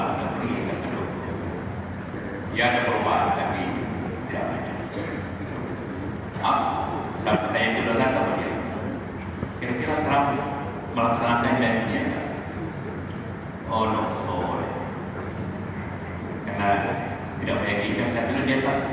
jadi kita tidak perlu mencari perusahaan negara besar